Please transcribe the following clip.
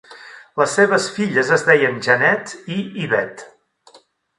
Les seves filles es deien Jannette i Ivette.